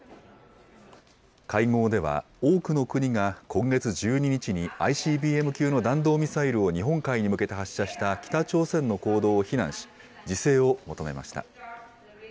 会合では、多くの国が今月１２日にＩＣＢＭ級の弾道ミサイルを日本海に向けて発射した北朝鮮の行動を非難し、自制を求めました。